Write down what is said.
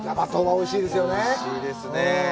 おいしいですね。